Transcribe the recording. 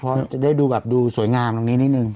เพราะจะได้ดูแบบดูสวยงามตรงนี้นิดนึง